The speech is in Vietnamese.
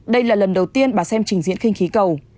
đây là lần đầu tiên bà xem trình diễn khinh khí cầu